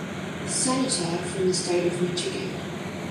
Senator from the state of Michigan.